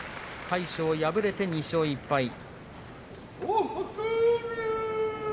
魁勝、敗れて２勝１敗。